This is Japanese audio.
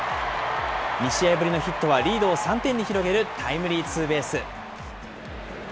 ２試合ぶりのヒットはリードを３点に広げるタイムリーツーベース。